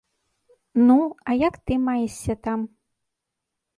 Ну, а як ты маешся там?